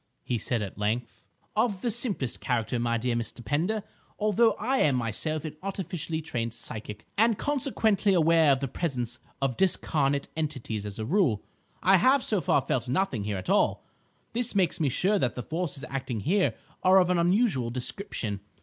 he said at length. "Of the simplest character, my dear Mr. Pender. Although I am myself an artificially trained psychic, and consequently aware of the presence of discarnate entities as a rule, I have so far felt nothing here at all. This makes me sure that the forces acting here are of an unusual description.